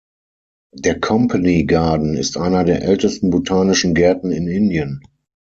Der Company Garden ist einer der ältesten botanischen Gärten in Indien.